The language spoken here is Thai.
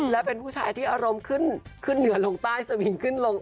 และเป็นผู้ชายที่อารมณ์ขึ้นขึ้นเหนือลงใต้สวิงขึ้นลง